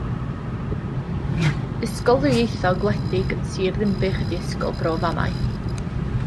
Ysgol ddwyieithog, wledig yn Sir Ddinbych ydy Ysgol Bro Famau.